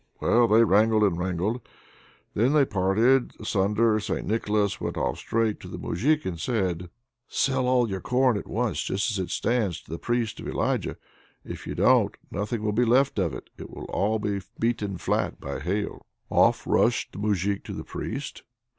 Well, they wrangled and wrangled; then they parted asunder. St. Nicholas went off straight to the Moujik and said: "Sell all your corn at once, just as it stands, to the Priest of Elijah. If you don't, nothing will be left of it: it will all be beaten flat by hail." Off rushed the Moujik to the Priest.